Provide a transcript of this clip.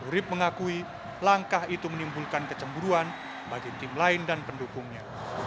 urib mengakui langkah itu menimbulkan kecemburuan bagi tim lain dan pendukungnya